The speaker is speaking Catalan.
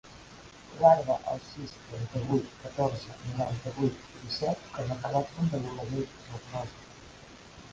Guarda el sis, trenta-vuit, catorze, noranta-vuit, disset com a telèfon de l'Oleguer Zornoza.